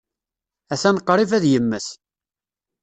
Atan qrib ad yemmet.